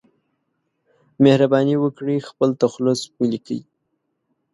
مهرباني وکړئ خپل تخلص ولیکئ